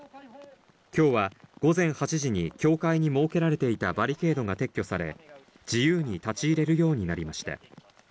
今日は午前８時に境界に設けられていたバリケードが撤去され、自由に立ち入れるようになりました。